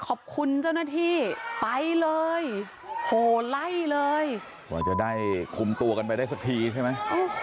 โอ๊ยยยย